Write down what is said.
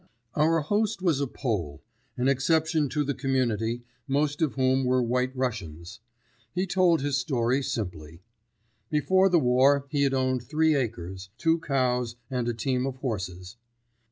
Our host was a Pole—an exception to the community, most of whom were White Russians. He told his story simply. Before the war he had owned three acres, two cows and a team of horses.